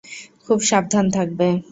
খুব সাবধান থাকবে।